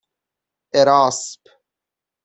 اراسپ